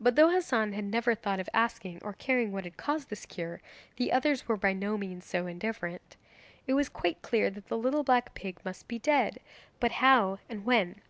But though Hassan never thought of asking or caring what had caused his cure, the others were by no means so indifferent. It was quite clear that the little black pig must be dead but how, and when?